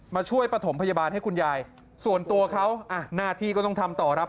ช่วยประถมพยาบาลให้คุณยายส่วนตัวเขาอ่ะหน้าที่ก็ต้องทำต่อครับ